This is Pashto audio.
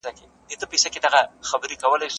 ايډيالوژيو د تېرو پېړيو سياستونه بدل کړل.